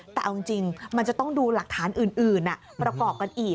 แต่เอาจริงมันจะต้องดูหลักฐานอื่นประกอบกันอีก